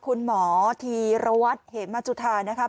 คุณหมอธีรวัตรเหมจุธานะครับ